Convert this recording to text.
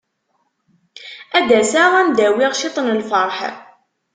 Ad d-aseɣ ad am-d-awiɣ ciṭ n lferḥ.